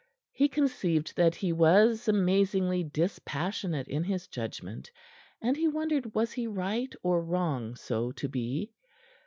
He conceived that he was amazingly dispassionate in his judgment, and he wondered was he right or wrong so to be.